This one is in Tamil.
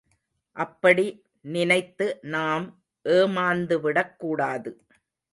அப்படி நினைத்து நாம் ஏமாந்துவிடக்கூடாது.